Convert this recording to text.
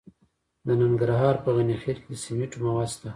د ننګرهار په غني خیل کې د سمنټو مواد شته.